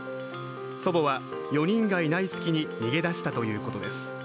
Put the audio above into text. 祖母は４人がいない隙に逃げ出したということです。